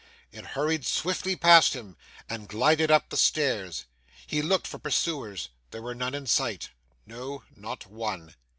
It hurried swiftly past him and glided up the stairs. He looked for pursuers. There were none in sight. No, not one.